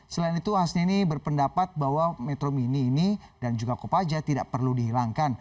selain itu hasni berpendapat bahwa metro mini ini dan juga kopaja tidak perlu dihilangkan